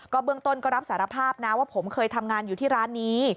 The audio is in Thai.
เบื้องต้นก็รับสารภาพนะว่าผมเคยทำงานอยู่ที่ร้านนี้